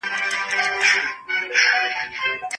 د مځکي په برخي کي دغه کوچنی ډېر ښه لوبې کوی.